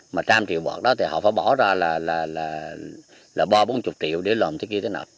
mà một trăm linh triệu bọt đó thì họ phải bỏ ra là ba mươi bốn mươi triệu để làm thế kia thế nào